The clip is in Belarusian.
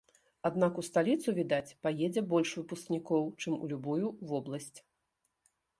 Аднак ў сталіцу, відаць, паедзе больш выпускнікоў, чым у любую вобласць.